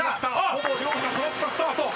ほぼ両者揃ったスタート。